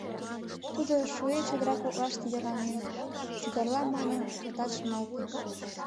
Тудо шуэ чодыра коклаште верланен, шӱгарла манын, отат шоналте.